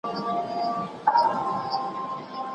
توري د پنځو زرو کلونو زنګ وهلي دي